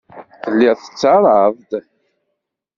Telliḍ tettarraḍ-d.